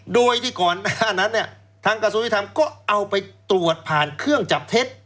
โดยที่ก่อนหน้านั้นเนี่ยทางกระทรวงยุทธรรมก็เอาไปตรวจผ่านเครื่องจับเท็จ